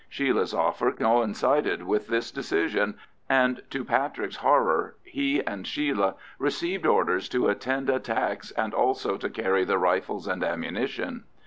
Sheila's offer coincided with this decision, and to Patrick's horror he and Sheila received orders to attend attacks, and also to carry the rifles and ammunition.